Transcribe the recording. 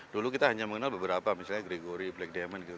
dulu kita hanya mengenal beberapa misalnya gregory black diamond gitu